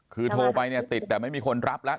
คือโทรไปเนี่ยติดแต่ไม่มีคนรับแล้ว